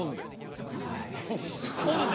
はい押し込んで？